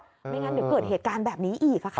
ไม่งั้นเดี๋ยวเกิดเหตุการณ์แบบนี้อีกค่ะ